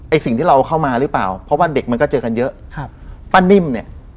สิ่งที่เราเข้ามาหรือเปล่าเพราะว่าเด็กมันก็เจอกันเยอะครับป้านิ่มเนี่ย